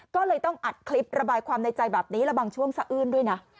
ก็เลยต้องอัดคลิประบายความในใจแบบนี้และบางช่วงสะอื้นด้วยนะ